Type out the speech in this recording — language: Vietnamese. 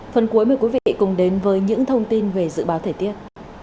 phần cuối mời quý vị cùng đến với những thông tin về dự báo thời tiết